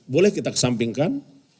boleh kita kesampingkan